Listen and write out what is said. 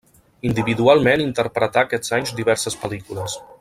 Individualment interpretà aquests anys diverses pel·lícules.